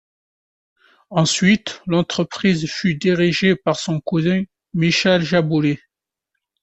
Ensuite, l'entreprise fut dirigée par son cousin, Michel Jaboulet.